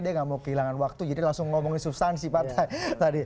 dia gak mau kehilangan waktu jadi langsung ngomongin substansi partai tadi